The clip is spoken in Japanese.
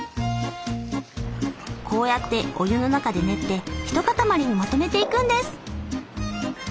こうやってお湯の中で練って一塊にまとめていくんです。